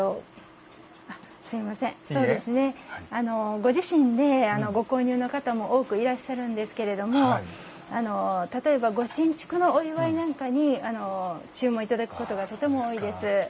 ご自身でご購入の方も、多くいらっしゃるんですけれども例えば、ご新築のお祝いなんかに注文いただくことがとても多いです。